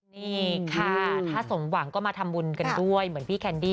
นี่ค่ะถ้าสมหวังก็มาทำบุญกันด้วยเหมือนพี่แคนดี้